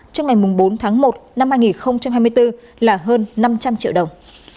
trong ngày bốn tháng một năm hai nghìn hai mươi bốn là hơn năm trăm linh triệu đồng